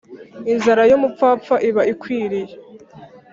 inzira y umupfapfa iba ikwiriye